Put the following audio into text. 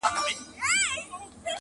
زغم د انسان شخصیت پیاوړی کوي.